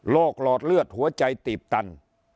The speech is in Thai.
หลอดเลือดหัวใจตีบตัน